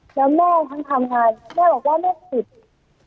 แล้วแม่ทั้งทำไงแม่บอกว่าไม่สิทธิ์